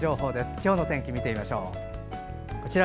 今日の天気を見てみましょう。